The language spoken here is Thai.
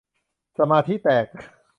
สมาธิแตก